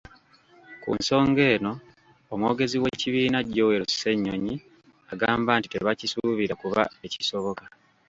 Ku nsonga eno, omwogezi w'ekibiina Joel Ssennyonyi, agamba nti tebakisuubira kuba tekisoboka